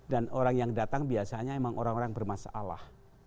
dan orang yang datang biasanya emang orang orang bermasalah